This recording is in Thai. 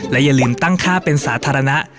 และอย่าลืมตั้งค่าเป็นสาธารณะ